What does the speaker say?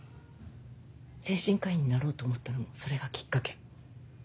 精神科医になろうと思ったのもそれがきっかけ。